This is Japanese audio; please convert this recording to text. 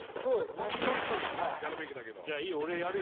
ホントは１人やるべきだけどじゃいいよ